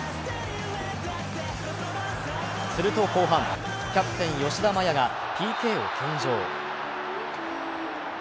すると後半、キャプテン・吉田麻也がＰＫを献上。